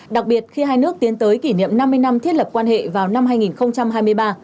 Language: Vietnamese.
đặc biệt khi hai nước tiến tới kỷ niệm năm mươi năm thiết lập quan hệ vào năm hai nghìn hai mươi ba